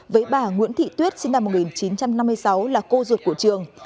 với bà nguyễn thị tuyết sinh năm một nghìn chín trăm năm mươi sáu là cô ruột của trường